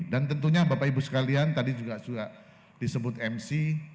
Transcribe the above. dan tentunya bapak ibu sekalian tadi juga sudah disebut mc